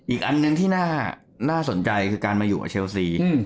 อีกอันหนึ่งที่น่าสนใจคือการมาอยู่กับเชลซี